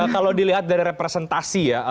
kalau dilihat dari representasi ya